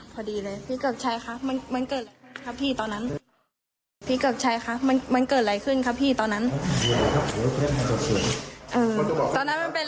พอดีเลยพี่เกิกชัยครับมันเกิดอะไรขึ้นครับพี่ตอนนั้น